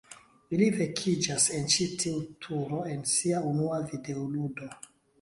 Ili vekiĝas en ĉi tiu turo en sia unua videoludo.